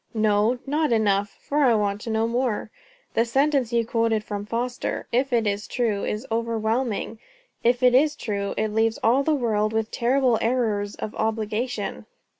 "No, not enough, for I want to know more. The sentence you quoted from Foster, if it is true, is overwhelming. If it is true, it leaves all the world with terrible arrears of obligation."